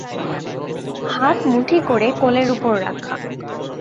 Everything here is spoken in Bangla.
হাত মুঠি করে কোলের উপর রাখা।